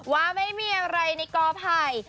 ว่าไม่มีอะไรในกอไผ่